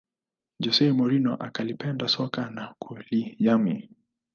Jose Mourinho akalipenda soka la kujihami